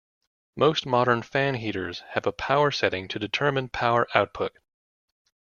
Most modern fan heaters have a power setting to determine power output.